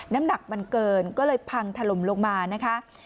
น้ำหนักมันเกินก็เลยพังถล่มลงมานะคะ